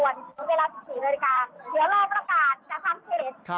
แล้วก็เครื่องขบวนเวลา๑๔นาฬิกาเดี๋ยวเราประกาศจากค่ำเทจ